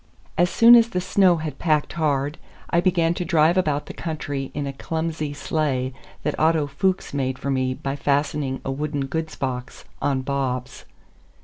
As soon as the snow had packed hard I began to drive about the country in a clumsy sleigh that Otto Fuchs made for me by fastening a wooden goods box on bobs.